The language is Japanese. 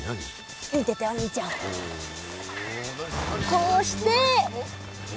こうして。